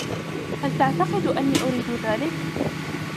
هل تعتقد أني أريد ذلك؟